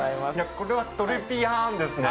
これはトレビアーンですね。